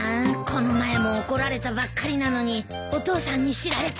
この前も怒られたばっかりなのにお父さんに知られたら。